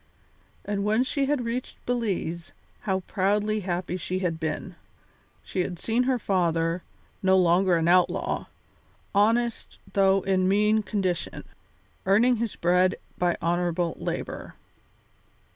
And when she had reached Belize, how proudly happy she had been! She had seen her father, no longer an outlaw, honest though in mean condition, earning his bread by honourable labour.